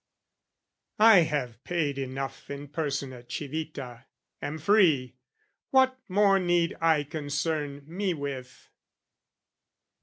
I have paid enough in person at Civita, Am free, what more need I concern me with?